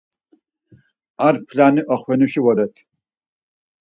Ar p̌lani oxvenuşi voret.